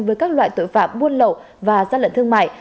với các loại tội phạm buôn lậu và gian lận thương mại